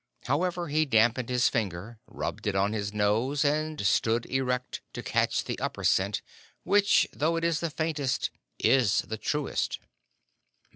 However, he dampened his finger, rubbed it on his nose, and stood erect to catch the upper scent, which, though it is the faintest, is the truest.